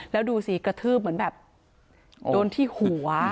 แล้วดูสิกระทืบเหมือนแบบโดนที่หัว